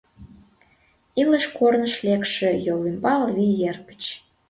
Илыш корныш лекше йолӱмбал вий эргыч